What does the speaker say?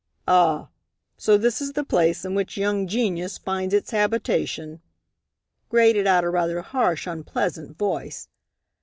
"Ah! So this is the place in which young genius finds its habitation;" grated out a rather harsh, unpleasant voice.